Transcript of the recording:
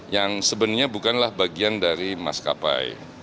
yang sebenarnya bukanlah bagian dari maskapai